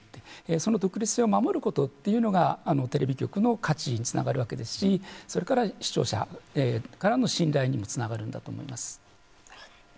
その独立性を守ることっていうのがテレビ局の価値につながるわけですしそれから、視聴者からの信頼にもつながるんだと思います。